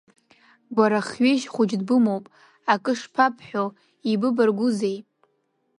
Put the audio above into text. Бара ахьҩежь хәыҷы дбымоуп, акы шԥабҳәо, ибыбаргәузеи!